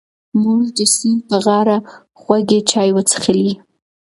موږ د سیند په غاړه خوږې چای وڅښلې.